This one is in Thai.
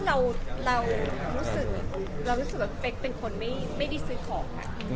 ถ้าเรารู้สึกว่าเป๊กเป็นคนไม่ได้ซื้อของ